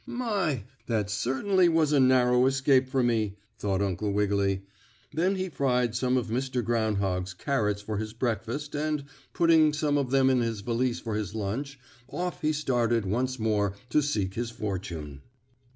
"My! that certainly was a narrow escape for me," thought Uncle Wiggily. Then he fried some of Mr. Groundhog's carrots for his breakfast and, putting some of them in his valise for his lunch, off he started once more to seek his fortune.